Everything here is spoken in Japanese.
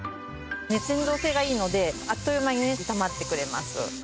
熱伝導性がいいのであっという間にね炒まってくれます。